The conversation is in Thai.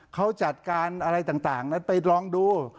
เขาจัดการอะไรต่างนั้นไปลองดู